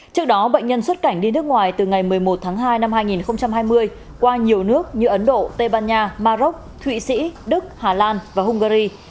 trước đó bệnh nhân xuất cảnh đi nước ngoài từ ngày một mươi một tháng hai năm hai nghìn hai mươi qua nhiều nước như ấn độ tây ban nha mà rốc thụy sĩ đức hà lan và hungary